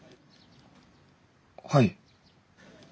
はい。